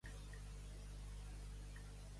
A Déu i son albir, cap home no pot mentir.